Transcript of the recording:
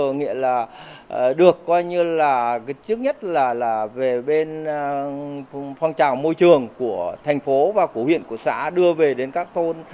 nghĩa là được coi như là trước nhất là về bên phong trào môi trường của thành phố và của huyện của xã đưa về đến các thôn